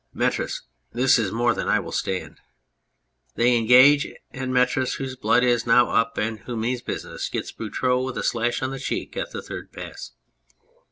METBIS. This is more than I will stand. (They engage, and METRIS, whose blood is now up and who means business, gets BOUTROUX with a slash on the cheek at the third pass.)